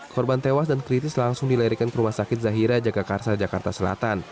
korban tewas dan kritis langsung dilarikan ke rumah sakit zahira jagakarsa jakarta selatan